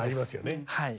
はい。